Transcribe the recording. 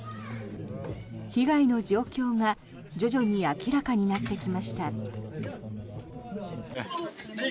被害の状況が徐々に明らかになってきました。